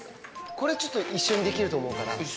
これちょっと、一緒にできると思うから。